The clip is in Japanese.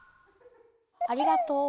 ありがとう。